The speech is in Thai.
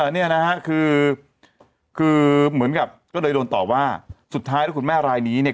เนี่ยนะฮะคือคือเหมือนกับก็เลยโดนตอบว่าสุดท้ายแล้วคุณแม่รายนี้เนี่ย